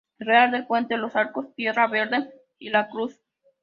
Real del puente", Los arcos, Tierra Verde y La cruz.